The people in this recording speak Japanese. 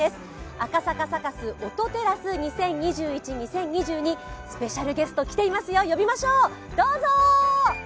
赤坂サカス音×テラス２０２１−２０２２、スペシャルゲスト来ていますよ、呼びましょう、どうぞ！